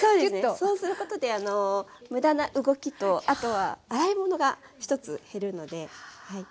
そうすることで無駄な動きとあとは洗い物が１つ減るので。